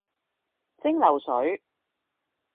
蒸餾水